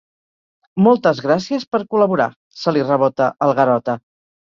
Moltes gràcies per col·laborar —se li rebota el Garota—.